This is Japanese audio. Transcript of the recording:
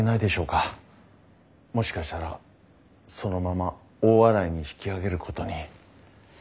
もしかしたらそのまま大洗に引き揚げることに。